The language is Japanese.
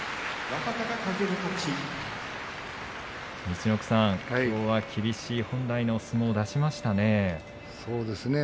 陸奥さん、きょうは厳しい本来の相撲を出しましたね。